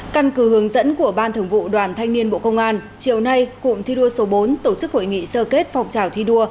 căn cứ hướng dẫn của ban thường vụ đoàn thanh niên bộ công an chiều nay cụm thi đua số bốn tổ chức hội nghị sơ kết phòng trào thi đua